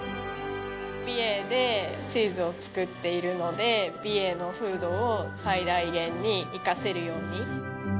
美瑛でチーズを作っているので美瑛の風土を最大限に生かせるように。